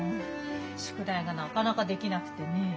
宿題がなかなかできなくてね。